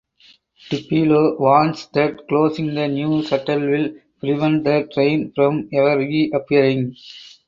Tupelo warns that closing the new shuttle will prevent the train from ever reappearing.